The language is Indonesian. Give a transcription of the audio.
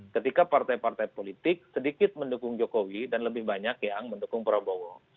ketika partai partai politik sedikit mendukung jokowi dan lebih banyak yang mendukung prabowo